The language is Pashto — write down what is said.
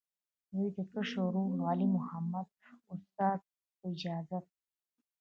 د دوي د کشر ورور، علي محمد استاذ، پۀ اجازت